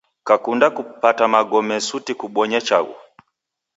Kakunda kupata magome, suti kubonye chaghu